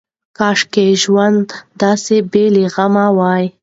کاشکې ژوند داسې بې له غمه وای.